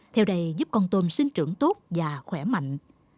theo đây giúp con tôm sinh trưởng tốt và khỏe mạnh